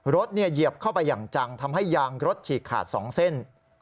เหยียบเข้าไปอย่างจังทำให้ยางรถฉีกขาด๒เส้น